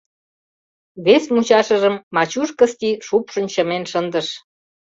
Вес мучашыжым Мачуш Кысти шупшын чымен шындыш.